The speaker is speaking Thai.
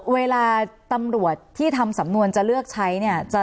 เวลาตำรวจที่ทำสำนวนจะเลือกใช้เนี่ย